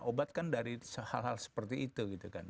obat kan dari hal hal seperti itu gitu kan